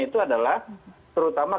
itu adalah terutama